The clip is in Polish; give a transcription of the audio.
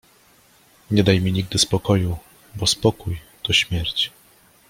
Nie daj mi nigdy spokoju, bo spokój — to śmierć.